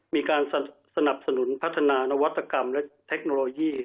มีการสนับสนุนพัฒนานวัตกรรมและเทคโนโลยี